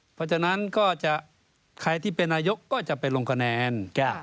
เพราะฉะนั้นก็จะใครที่เป็นนายกก็จะไปลงคะแนน